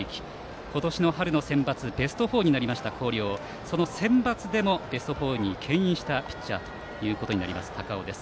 今年の春のセンバツベスト４になった広陵そのセンバツでもベスト４にけん引したピッチャーとなります高尾です。